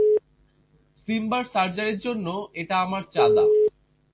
সিম্বার সার্জারির জন্য এটা আমার চাঁদা।